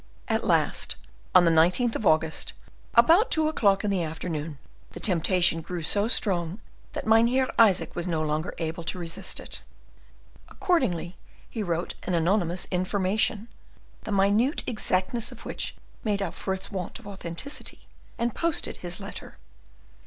At last, on the 19th of August, about two o'clock in the afternoon, the temptation grew so strong, that Mynheer Isaac was no longer able to resist it. Accordingly, he wrote an anonymous information, the minute exactness of which made up for its want of authenticity, and posted his letter.